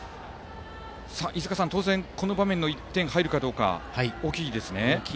飯塚さん、当然この場面で１点が入るかどうか大きいですよね。